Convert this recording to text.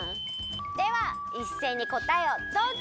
ではいっせいにこたえをどうぞ！